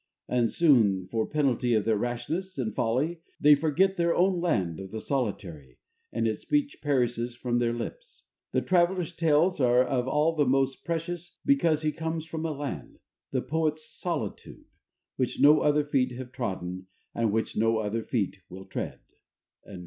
And soon for penalty of their rashness and folly they forget their own land of the solitary, and its speech perishes from their lips. The traveller's tales are of all the most precious, because he comes from a land the poet's solitude which no other feet have trodden and which no other feet will tread.